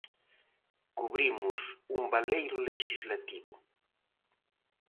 Cubrimos un baleiro lexislativo.